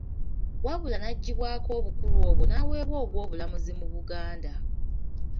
Wabula n'aggyibwako obukulu obw'o n'aweebwa ogw'obulamuzi mu Buganda.